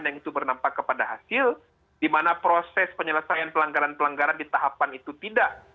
yang itu bernampak kepada hasil di mana proses penyelesaian pelanggaran pelanggaran di tahapan itu tidak